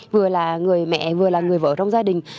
vừa là người mẹ vừa là người vợ trong gia đình